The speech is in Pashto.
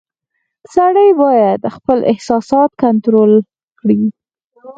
• سړی باید خپل احساسات کنټرول کړي.